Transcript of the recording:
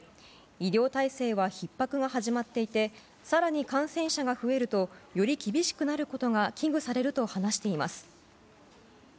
医療体制はひっ迫が始まっていて更に感染者が増えるとより厳しくなることが危惧されると話しています。